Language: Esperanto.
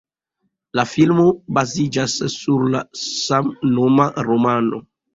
La filmo baziĝas sur samnoma romano.